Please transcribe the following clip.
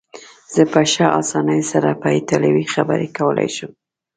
زه په ښه اسانۍ سره په ایټالوي خبرې کولای شم.